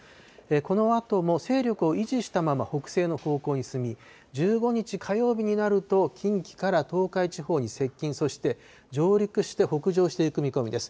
このあとも勢力を維持したまま、北西の方向に進み、１５日火曜日になると、近畿から東海地方に接近、そして上陸して北上していく見込みです。